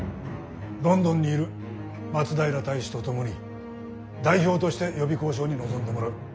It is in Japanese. ロンドンにいる松平大使と共に代表として予備交渉に臨んでもらう。